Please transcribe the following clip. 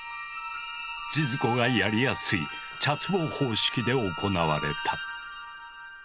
千鶴子がやりやすい茶壺方式で行われた。